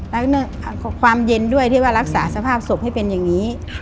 แล้วก็ความเย็นด้วยที่ว่ารักษาสภาพศพให้เป็นอย่างนี้